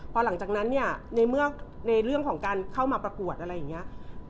พอหลังจากนั้นในเรื่องของการเข้ามาประกวดอะไรอย่างนี้